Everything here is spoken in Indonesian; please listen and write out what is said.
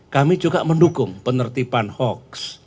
kami juga mendukung penertiban hoax